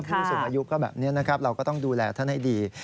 ผู้สูงอายุก็แบบนี้นะครับเราก็ต้องดูแลท่านให้ดี